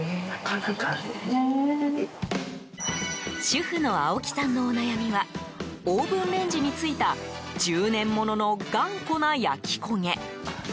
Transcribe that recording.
主婦の青木さんのお悩みはオーブンレンジについた１０年物の頑固な焼き焦げ。